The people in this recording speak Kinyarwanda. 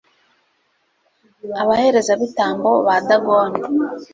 abaherezabitambo ba dagoni